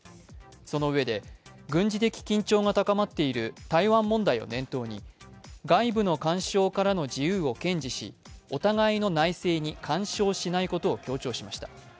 そのうえで軍事的緊張が高まっている台湾問題を念頭に外部の干渉からの自由を堅持し、お互いの内政に干渉しないことを強調しました。